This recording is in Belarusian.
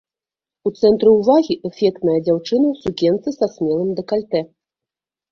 У цэнтры ўвагі эфектная дзяўчына ў сукенцы са смелым дэкальтэ.